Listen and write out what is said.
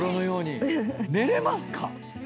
寝れますか？